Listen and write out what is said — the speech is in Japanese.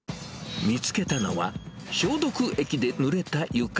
見つけたのは、消毒液でぬれた床。